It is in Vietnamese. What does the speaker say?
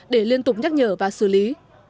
để liên tục nhắc nhở và xử lý